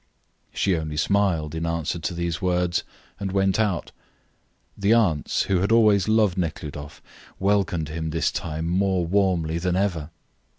She only smiled in answer to these words, and went out. The aunts, who had always loved Nekhludoff, welcomed him this time more warmly than ever.